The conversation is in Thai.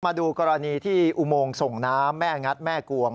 มาดูกรณีที่อุโมงส่งน้ำแม่งัดแม่กวง